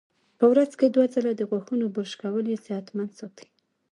په ورځ کې دوه ځله د غاښونو برش کول یې صحتمند ساتي.